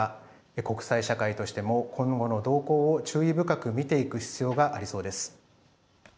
国際社会としても今後の動向を注意深く見ていく必要がありそうです。